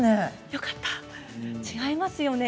よかった、違いますよね